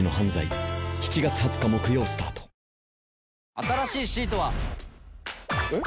新しいシートは。えっ？